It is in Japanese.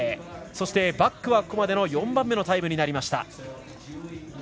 そして、バックはここまでの４番目のタイムになりました。